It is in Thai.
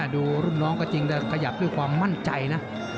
ดูรุ่นน้องก็จริงแต่ขยับด้วยความมั่นใจนะ